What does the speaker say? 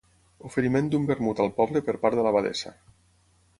Oferiment d'un vermut al poble per part de l'abadessa.